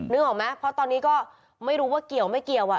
นึกออกไหมเพราะตอนนี้ก็ไม่รู้ว่าเกี่ยวไม่เกี่ยวอ่ะ